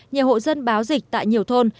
nhiều hộ dân báo dịch tại nhiều thôn